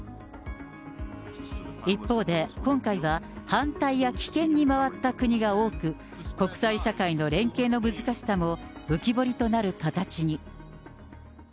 一方で、今回は反対や棄権に回った国が多く、国際社会の連携の難しさも浮き彫りとなる形に。